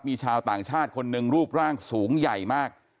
มีชาวต่างชาติคนหนึ่งรูปร่างสูงใหญ่มาก